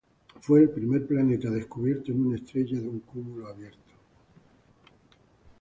Fue el primer planeta descubierto en una estrella de un cúmulo abierto.